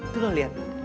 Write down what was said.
tuh lo lihat